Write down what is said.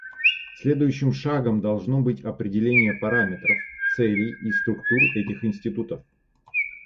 Следующим шагом должно быть определение параметров, целей и структур этих институтов.